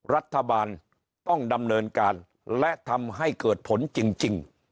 รัฐบาลต้องดำเนินการและทำให้เกิดผลจริง